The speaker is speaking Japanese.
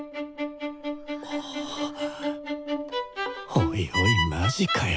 おいおいマジかよ。